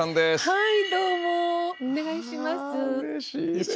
はい。